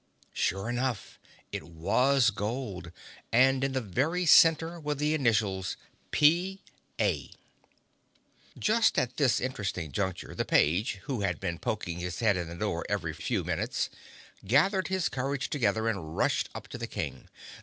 Sure enough! It was gold and in the very centre were the initials P. A. Just at this interesting juncture the page, who had been poking his head in the door every few minutes, gathered his courage together and rushed up to the King.